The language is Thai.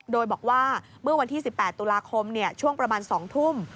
โดยบอกว่าเมื่อวันที่๑๘ตุลาคมช่วงประมาณ๒ทุ่ม